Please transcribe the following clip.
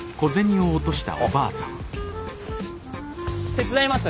手伝います。